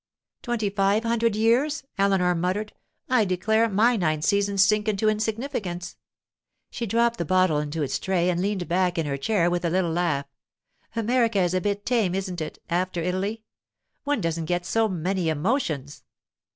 'Twenty five hundred years,' Eleanor murmured. 'I declare, my nine seasons sink into insignificance!' She dropped the bottle into its tray and leaned back in her chair with a little laugh. 'America is a bit tame, isn't it, after Italy? One doesn't get so many emotions.